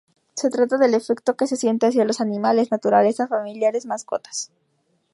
Se trata del afecto que se siente hacia los animales, naturaleza, familiares, mascotas.